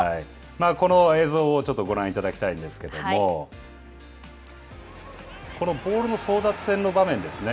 この映像をご覧いただきたいんですけどこのボールの争奪戦の場面ですね。